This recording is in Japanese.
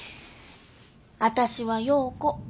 私は葉子。